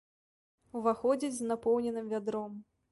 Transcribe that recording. Уваходзіць з напоўненым вядром.